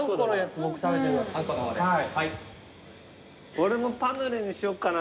俺もパヌレにしよっかな。